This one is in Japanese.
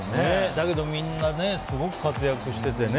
だけど、みんなすごく活躍しててね。